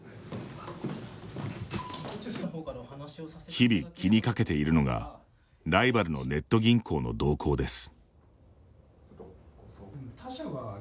日々、気にかけているのがライバルのネット銀行の動向です。